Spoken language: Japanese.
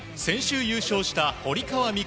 先週優勝した堀川未来